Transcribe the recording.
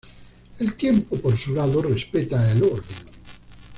El Tiempo por su lado respeta el Orden.